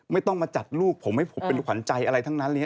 ไม่ต้องมาจัดลูกผมให้ผมเป็นขวัญใจอะไรทั้งนั้น